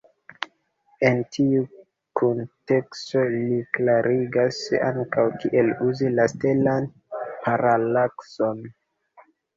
En tiu kunteksto li klarigas ankaŭ, kiel uzi la stelan paralakson.